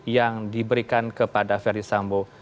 yang diberikan kepada ferdis sambo